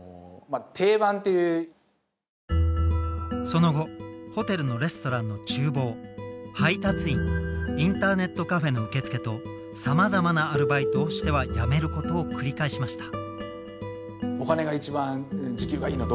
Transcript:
その後ホテルのレストランの厨房配達員インターネットカフェの受付とさまざまなアルバイトをしては辞めることを繰り返しました。